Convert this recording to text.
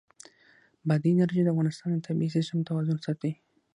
بادي انرژي د افغانستان د طبعي سیسټم توازن ساتي.